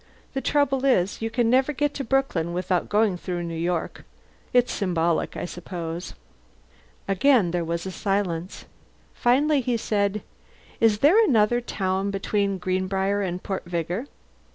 The trouble is, you can never get to Brooklyn without going through New York. It's symbolic, I suppose." Again there was a silence. Finally he said, "Is there another town between Greenbriar and Port Vigor?"